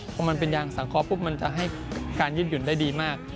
เพราะมันเป็นยางสังคมปุ๊บมันจะให้การยื่นได้ดีมาก